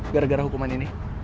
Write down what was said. gara gara hukuman ini